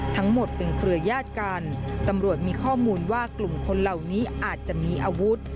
ทั้งหมดเป็นเครือญาติกันตำรวจมีข้อมูลว่ากลุ่มคนเหล่านี้อาจจะมีอาวุธ